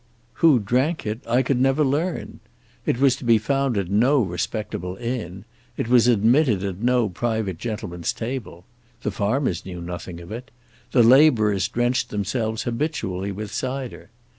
Who drank it I could never learn. It was to be found at no respectable inn. It was admitted at no private gentleman's table. The farmers knew nothing of it. The labourers drenched themselves habitually with cider.